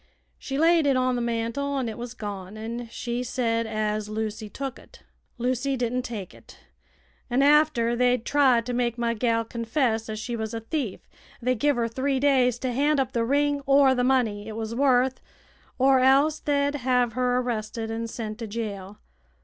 She laid it on the mantel an' it was gone, an' she said as Lucy took it. Lucy didn't take it, an' after they'd tried to make my gal confess as she was a thief they give 'er three days to hand up the ring or the money it was worth, or else they'd hev her arrested and sent t' jail.